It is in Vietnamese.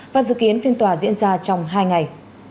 và dự kiến phiên tòa diễn ra trong hai ngày